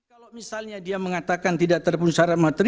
kalau misalnya dia mengatakan standardized